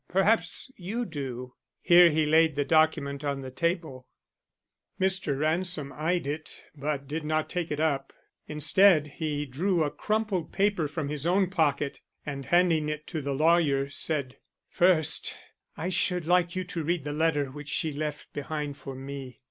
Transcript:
Perhaps you do." Here he laid the document on the table. Mr. Ransom eyed it but did not take it up. Instead, he drew a crumpled paper from his own pocket and, handing it to the lawyer, said: "First, I should like you to read the letter which she left behind for me.